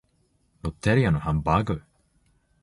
ロッテリアのハンバーガー